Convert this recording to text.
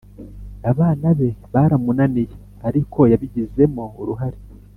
Abana be baramunaniye ariko yabigizimo uruhare